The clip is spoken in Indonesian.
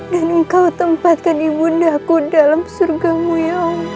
dan engkau tempatkan ibu ndaku dalam surgamu ya allah